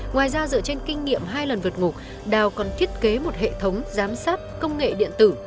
ngoài ra dựa trên kinh nghiệm hai lần vượt ngục đào còn thiết kế một hệ thống giám sát công nghệ điện tử